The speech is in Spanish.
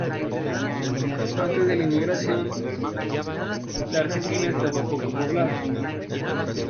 Antes de la inmigración, la Argentina estaba poco poblada.